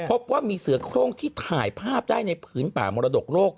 พบว่ามีเสือโครงที่ถ่ายภาพได้ในผืนป่ามรดกโลก